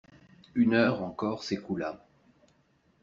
Une heure encore s'écoula.